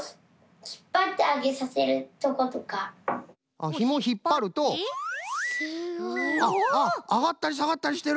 あっひもひっぱるとあがったりさがったりしてる！